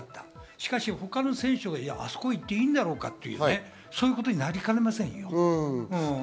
しかし、他の選手があそこに行っていいんだろうかっていうことになりかねませんよ。